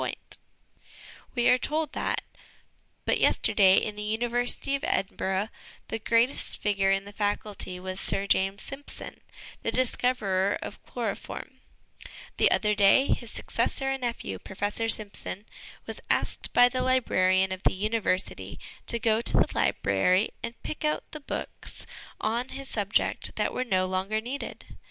LESSONS AS INSTRUMENTS OF EDUCATION 185 We are told that, " but yesterday, in the University of Edinburgh, the greatest figure in the Faculty was Sir James Simpson, the discoverer of chloroform. The other day his successor and nephew, Professor Simpson, was asked by the librarian of the University to go to the library and pick out the books on his subject that were no longer needed.